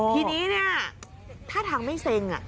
ทีนี้เนี่ยท่าทางไม่เซ็ง